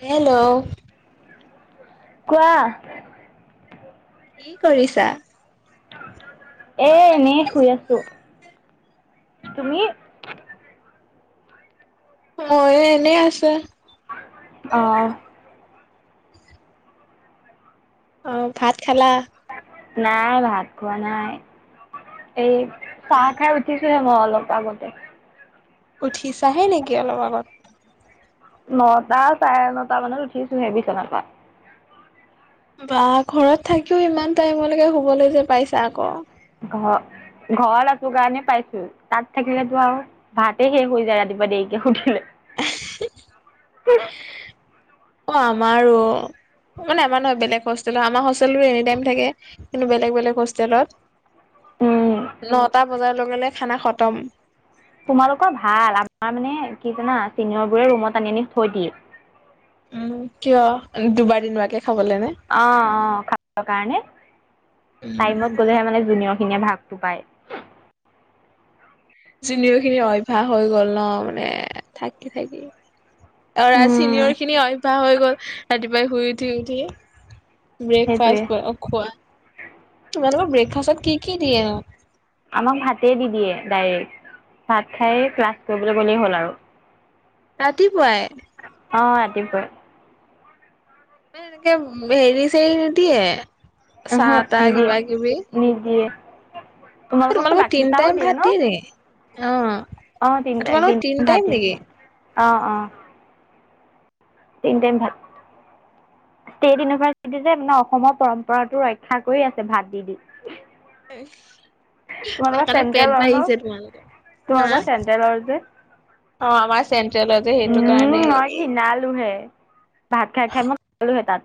Hello কোৱা কি কৰিছা? এ এনেই শুই আছো । তুমি? মইয়ো এনেই আছো। অঁ অ ভাত খালা। নাই ভাত খোৱা নাই। এই অ চাহ খাই উঠিছো হে অ অলপ আগতে উঠিছাহে নেকি অলপ আগত নটা চাৰে নটা মানত উঠিছো সেই বিচনাৰ পৰা বা ঘৰত থাকিও ইমান টাইমলৈকে শুবলৈ যে পাইছা আকৌ ঘ ঘৰলাটো কাৰণে পাইছো তাত থাকিলেতো আৰু ভাতে শেষ হৈ যায় ৰাতিপুৱা দেৰিকে সুধিলে এ--ছে উ অ আমাৰো মানে আমাৰ নহয় বেলেগ হোষ্টেলত আমাৰ হোষ্টেলতো এনি টাইম থাকে কিন্তু বেলেগ বেলেগ হোষ্টেলত উম নটা বজাৰ লগে লগে খানা খতম। তোমালোকৰ ভাল আমাৰ মানে কি জানা আ চিঙৰবোৰে ৰুমত আটনি আনি থৈ দিয়ে উম কিয় দুবাৰ দিনুৱাকে অ অ খাবৰ কাৰণে উম টাইমত গ'লেহে মানে জু যিনিওৰ খিনি ভাগটো পায়। যোনিওৰ খিনিৰ অভ্যাস হৈ গল ন মানে থাকি থাকি। অৰা উম চিনিয়ৰ খিনি অভ্যয়াস হৈ গ'ল ৰাতিপুৱাই শুই উঠি উঠিে সেইটোৱে ব্ৰেকফাষ্ট খোৱা তোমালোকৰ ব্ৰেকফাষ্টত কি কি দিয়ে ন। আমাক ভাতেই দি দিয়ে ডাইৰেক্ট ভাত খাই ক্লাছ কৰিবলৈ গ'লেই হ'ল আৰু ৰাতিপুৱাই অ ৰাতিপুৱাই। এনেকে হেৰি চেৰি নিদিয়ে । আহহ নিদিয়ে নিদিয়ে। তোমালোককতো তোমালোক গাখীৰ তিনি চাহো টাইম ভাত দিয়ে ন অ আ ত মালোক তিনি টাইম নেকি। অঁ অঁ তিনি টাইম ভাত, ষ্টেট ইউনিভাৰ্চিটি যে মানে অসমৰ পৰম্পৰাটো ৰক্ষা কৰি আছে ভাত দি দি উ তোমালোকৰ তে পেট চেন্ট্ৰেলৰ ন বাঢ়িছে তোমাল হা তোমালোকৰ চেন্ট্ৰেলৰ যে অ আমাৰ চে সেইটো উম কাৰণ হ মই ঘিণালোহে ভাত খ খাই মইাত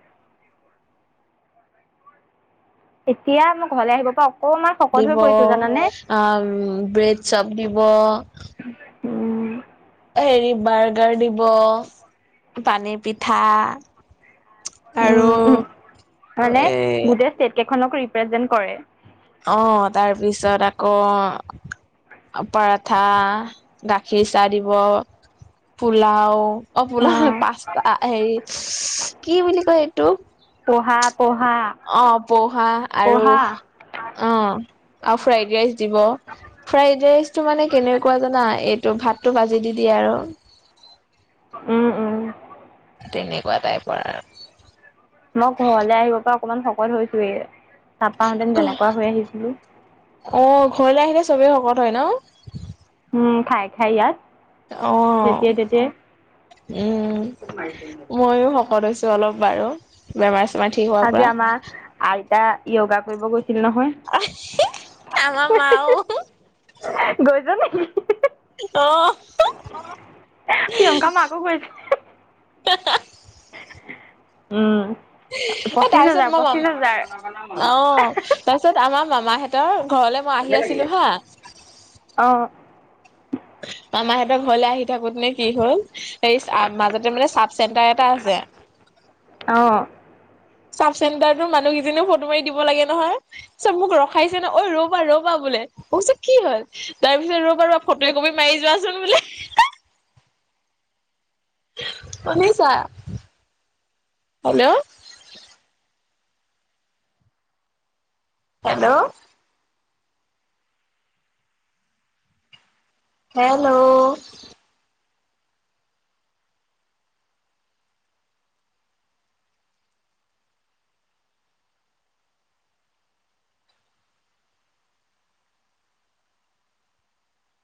এতিয়া মোৰ ঘৰলৈ আহিব কও দিব আহ ব্ৰেড চপ দিব। উম এৰি বাৰ্গাৰ দিব পানী পিঠা, উম আৰু উম মানে এ গুজ টকে ৰিপ্ৰেজেন্ট কৰে অঁ তাৰপিছত আকৌ পৰঠা, গাখীৰ চাহ, দিব পোলাওঁ অঁ পোলাও, অ', পাচতা হেৰি কি বুলি কয় এইটোক? ভাত অঁ পহা আৰু পঢ়া। অঁ অঁ ফ্ৰাইড ৰাইচ দিব ফ্ৰাইড ৰাইচটো মানে কেনেকুৱা জানা এই ত ভাতটো ভাজি দি দিয়ে আৰু উম উম তেনেকুৱা টাইপৰ আৰু মই ঘৰলে আহিব পাৰো অকমান শকত হৈছোৱেই তপাহঁতেন যেনেকুৱা হৈ আহিছিলো অ ঘৰলে আহিলে চবেই শকত হয় ন উম খাই খাই ইয়াত অঁ যেতিয়াই তেতিয়াই। উম, মই শকত হৈছো অলপ বাৰু বেমাৰ চেমাৰ ঠিক হোৱাৰ আজি পৰা আমাৰ আইতা তা যয়োগা কৰিব গৈ আমাৰ মা ওঁ গৈছে নেকি? অ প্ৰিয়ংকা মাকো গৈছে। হাঁ হাঁ উম- এ পঁচিশ হাজাৰ, তাৰপিছত মই ম পঁচিশ হাজাৰ। আঁহ, তাৰপিছত আমাৰ মামাহঁতৰ ঘৰলে মই আহি আছিলো হাঁ অ', মাহহঁত ঘৰলৈ আহি থাকোত নে কি হ'ল এই মাজতে মানে চাব চেণ্টাৰ এটা আছে অ'। চাব চেণ্টাৰো মানুহকেইজনীও ফটো মাৰি দিব লাগে নহয়ব মোক ৰখাইছে ন ঐ ৰ'বা ৰ'বা বোলে, অঁ কি হল তাৰ পিছত ৰবা ৰ ফটো কপি মাৰি যোৱাচোন বোলে, শুনিছা হেল্ল' হেল্ল' হেল্ল'